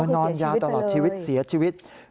นอนยาวคือเสียชีวิตเลย